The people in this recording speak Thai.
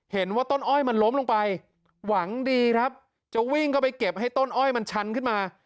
เห็นว่าต้นอ้อยมันล้มลงไปหวังดีครับจะวิ่งเข้าไปเก็บให้ต้นอ้อยมันชันขึ้นมา